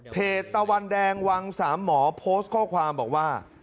ตะวันแดงวังสามหมอโพสต์ข้อความบอกว่า